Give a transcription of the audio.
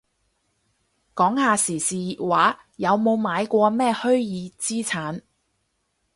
講下時事熱話，有冇買過咩虛擬資產